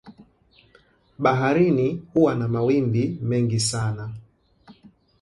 Baharini huwa na mawimbi mengi sana